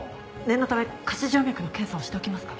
念のため下肢静脈の検査をしておきますか。